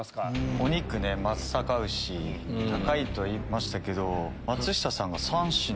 お肉松阪牛高いと言いましたけど松下さんが３品。